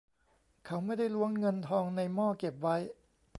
เขาไม่ได้ล้วงเงินทองในหม้อเก็บไว้